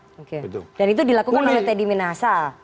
oke dan itu dilakukan oleh teddy minasa